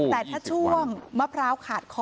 แต่ถ้าช่วงมะพร้าวขาดคอ